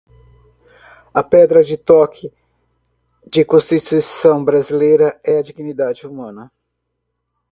A pedra de toque de Constituição brasileira é a dignidade humana.